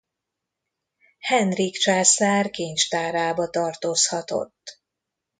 Henrik császár kincstárába tartozhatott.